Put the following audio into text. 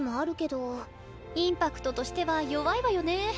インパクトとしては弱いわよねえ。